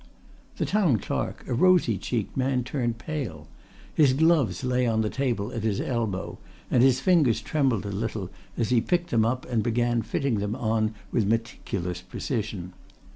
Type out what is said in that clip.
The Town Clerk, a rosy cheeked man, turned pale. His gloves lay on the table at his elbow, and his fingers trembled a little as he picked them up and began fitting them on with meticulous precision.